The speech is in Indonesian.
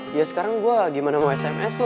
ya sekarang gue gimana mau sms lo